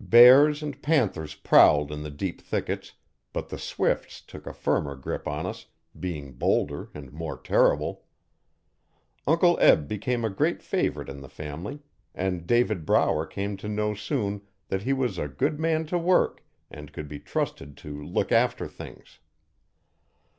Bears and panthers prowled in the deep thickets, but the swifts took a firmer grip on us, being bolder and more terrible. Uncle Eb became a great favourite in the family, and David Brower came to know soon that he was 'a good man to work' and could be trusted 'to look after things'.